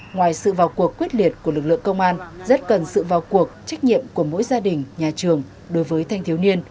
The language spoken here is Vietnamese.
ngoài sự vào cuộc quyết liệt của lực lượng công an rất cần sự vào cuộc trách nhiệm của mỗi gia đình nhà trường đối với thanh thiếu niên